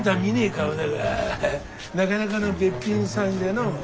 顔だがなかなかのべっぴんさんじゃのう。